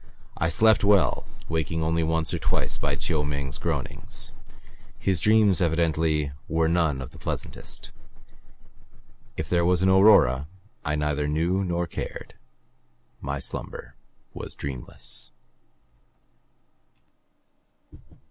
I slept well, waking only once or twice by Chiu Ming's groanings; his dreams evidently were none of the pleasantest. If there was an aurora I neither knew nor cared. My slumber was dreamless.